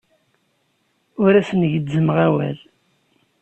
Ur asen-gezzmeɣ awal.